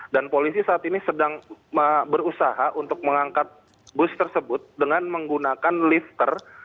dan polisi saat ini sedang berusaha untuk mengangkat bus tersebut dengan menggunakan lifter